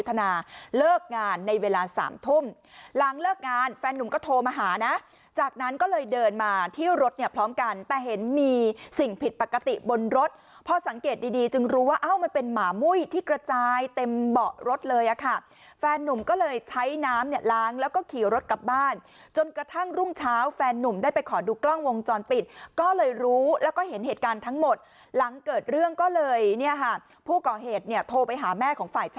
แต่เห็นมีสิ่งผิดปกติบนรถพอสังเกตดีดีจึงรู้ว่าเอ้ามันเป็นหมามุ้ยที่กระจายเต็มเบาะรถเลยอะค่ะแฟนนุ่มก็เลยใช้น้ำเนี้ยล้างแล้วก็ขี่รถกลับบ้านจนกระทั่งรุ่งเช้าแฟนนุ่มได้ไปขอดูกล้องวงจรปิดก็เลยรู้แล้วก็เห็นเหตุการณ์ทั้งหมดหลังเกิดเรื่องก็เลยเนี้ยค่ะผู้ก่อเหตุเนี้ยโทรไปหาแม